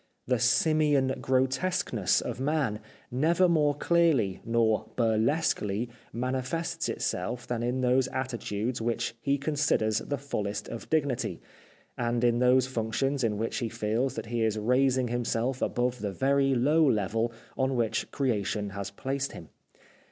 The simian grotesqueness of man never more clearly nor burlesquely mani fests itself than in those attitudes which he considers the fullest of dignity, and in those functions in which he feels that he is raising himself above the very low level on which Creation has placed him.